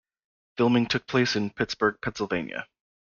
Filming took place in Pittsburgh, Pennsylvania.